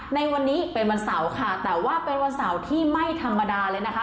ในวันนี้เป็นวันเสาร์ค่ะแต่ว่าเป็นวันเสาร์ที่ไม่ธรรมดาเลยนะคะ